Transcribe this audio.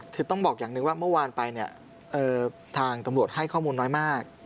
คือต้องบอกอย่างหนึ่งว่าเมื่อวานไปเนี่ยทางตำรวจให้ข้อมูลน้อยมาก